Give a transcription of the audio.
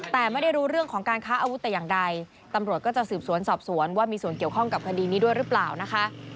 แต่ไม่ได้รู้เรื่องของการค้าอาวุธแต่อย่างใดตำรวจก็จะสืบสวนสอบสวนว่ามีส่วนเกี่ยวข้องกับคดีนี้ด้วยหรือเปล่านะคะ